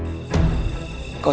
kau suka saidat